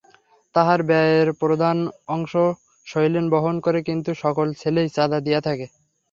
তাহার ব্যয়ের প্রধান অংশ শৈলেন বহন করে কিন্তু সকল ছেলেই চাঁদা দিয়া থাকে।